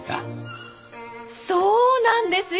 そうなんですよ